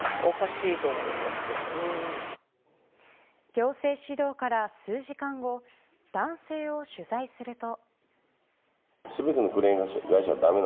行政指導から数時間後男性を取材すると。